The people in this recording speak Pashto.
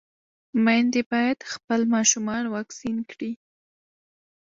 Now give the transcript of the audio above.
ميندې بايد خپل ماشومان واکسين کړي.